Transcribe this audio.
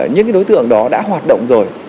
những đối tượng đó đã hoạt động rồi